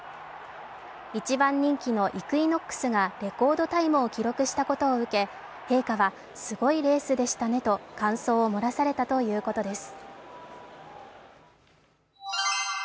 一番人気のイクイノックスがレコードタイムを記録したことを受け、陛下は「すごいレースでしたね」と感想を漏らされたということです。